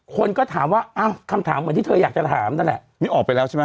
คนก็ถามว่าอ้าวคำถามเหมือนที่เธออยากจะถามนั่นแหละนี่ออกไปแล้วใช่ไหม